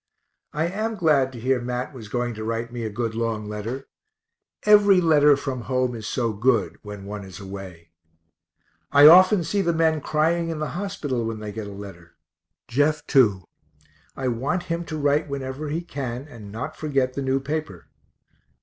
I am glad to hear Mat was going to write me a good long letter every letter from home is so good, when one is away (I often see the men crying in the hospital when they get a letter). Jeff too, I want him to write whenever he can, and not forget the new paper.